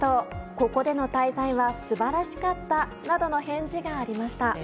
ここでの滞在は素晴らしかったなどの返事がありました。